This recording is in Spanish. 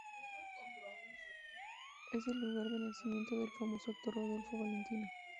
Es el lugar de nacimiento del famoso actor Rodolfo Valentino.